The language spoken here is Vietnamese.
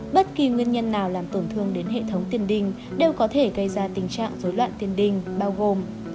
bất kỳ nguyên nhân nào làm tổn thương đến hệ thống tiền đình đều có thể gây ra tình trạng dối loạn tiền đình bao gồm